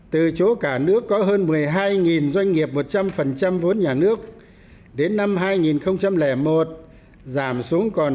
từ chỗ cả nước có hơn một mươi hai doanh nghiệp một trăm linh vốn nhà nước đến năm hai nghìn một giảm xuống còn năm sáu trăm năm mươi năm